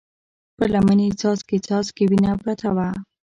پر لمن يې څاڅکي څاڅکې وينه پرته وه.